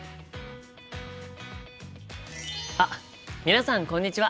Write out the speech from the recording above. あっ皆さんこんにちは！